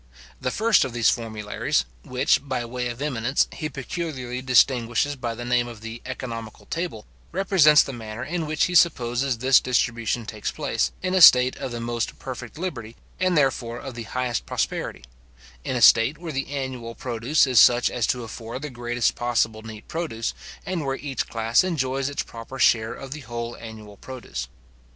The first of these formularies, which, by way of eminence, he peculiarly distinguishes by the name of the Economical Table, represents the manner in which he supposes this distribution takes place, in a state of the most perfect liberty, and, therefore, of the highest prosperity; in a state where the annual produce is such as to afford the greatest possible neat produce, and where each class enjoys its proper share of the whole annual produce.